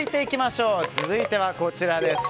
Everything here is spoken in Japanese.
続いてはこちらです。